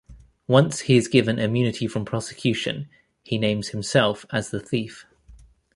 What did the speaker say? Once he is given immunity from prosecution, he names himself as the thief.